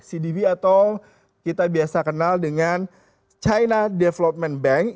cdb atau kita biasa kenal dengan china development bank